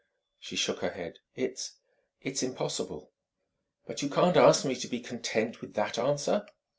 She shook her head: "It it's impossible." "But you can't ask me to be content with that answer!"